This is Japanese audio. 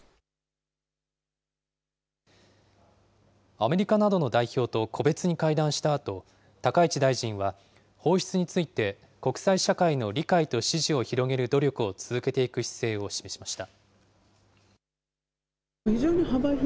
アメリカなどの代表と個別に会談したあと、高市大臣は放出について、国際社会の理解と支持を広げる努力を続けていく姿勢を示しました。